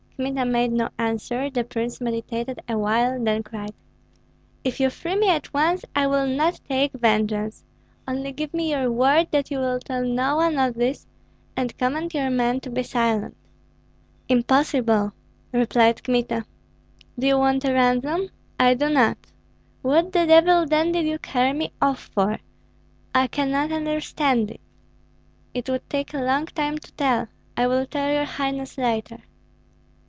Kmita made no answer; the prince meditated awhile, then cried, "If you free me at once, I will not take vengeance. Only give me your word that you will tell no one of this, and command your men to be silent." "Impossible!" replied Kmita. "Do you want a ransom?" "I do not." "What the devil, then, did you carry me off for? I cannot understand it." "It would take a long time to tell. I will tell your highness later."